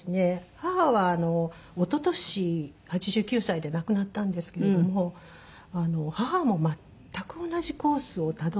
母は一昨年８９歳で亡くなったんですけれども母も全く同じコースをたどって。